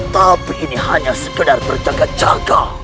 tapi ini hanya sekedar berjaga jaga